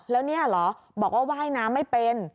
แล้วเนี่ยเหรอบอกว่าว่ายน้ำไม่เป็น